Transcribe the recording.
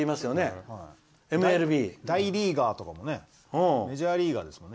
大リーガーとかもねメジャーリーガーですよね